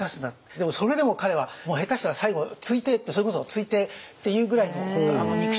でもそれでも彼は下手したら最後突いてそれこそ突いてっていうぐらいの憎しみを。